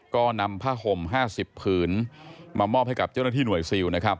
ก็นำผ้าห่ม๕๐ผืนมามอบให้กับเจ้าหน้าที่หน่วยซิลนะครับ